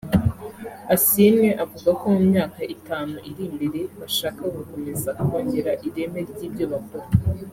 Asiimwe avuga ko mu myaka itanu iri imbere bashaka gukomeza kongera ireme ry’ibyo bakora